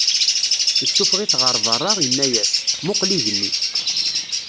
Issufɣ-it ɣer beṛṛa, inna-yas: Muqel igenni.